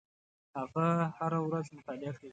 هغه هره ورځ مطالعه کوي.